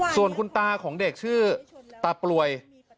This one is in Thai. ส่วนคุณตาของเด็กชื่อตาปลวย